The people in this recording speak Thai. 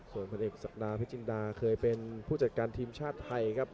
ส่วนผลเอกศักดาพิจินดาเคยเป็นผู้จัดการทีมชาติไทยครับ